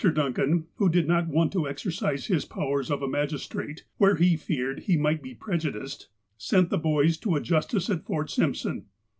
Duncan, who did not want to exercise his powers of a magistrate, where he feared he might be prejudiced, sent the boys to a justice at Fort Simpson.